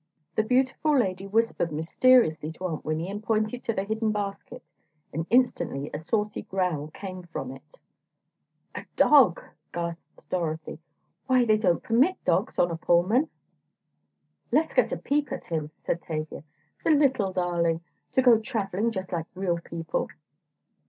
The beautiful lady whispered mysteriously to Aunt Winnie, and pointed to the hidden basket and instantly a saucy growl came from it. "A dog," gasped Dorothy, "why, they don't permit dogs on a Pullman!" "Let's get a peep at him," said Tavia, "the little darling, to go travelling just like real people!"